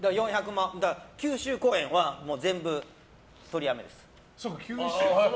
九州公演は全部、取りやめです。